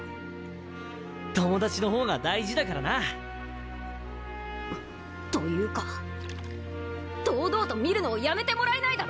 友達の方が大事だからな！というか堂々と見るのをやめてもらえないだろうか！